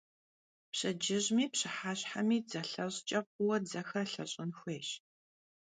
Пщэдджыжьми пщыхьэщхьэми дзэлъэщӀкӀэ фӀыуэ дзэхэр лъэщӀын хуейщ.